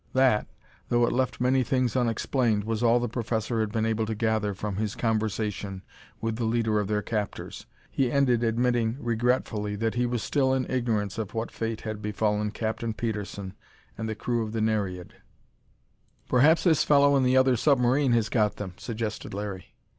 That, though it left many things unexplained, was all the professor had been able to gather from his conversation with the leader of their captors. He ended, admitting regretfully that he was still in ignorance of what fate had befallen Captain Petersen and the crew of the Nereid. "Perhaps this fellow in the other submarine has got them," suggested Larry.